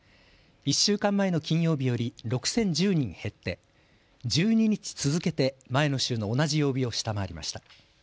１週間前の金曜日より６０１０人減って、１２日続けて前の週の同じ曜日を下回りました。